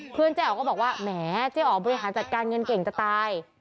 เพื่อนเจ๊อ๋อก็บอกว่าแหมเจ๊อ๋อบริหารจัดการเงินเก่งจะตาย